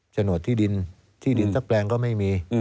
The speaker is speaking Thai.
จนโหดที่ดินที่ดินตะแปลงก็ไม่มี